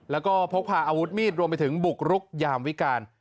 แล้วก็พกพาอาวุธมีดรวมไปถึงบุกรุกยามวิการ